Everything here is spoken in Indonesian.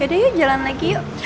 gak ada yuk jalan lagi yuk